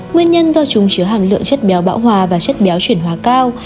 nguyên nhân do chúng chứa hàm lượng chất béo bão hòa và chất béo chuyển hóa cao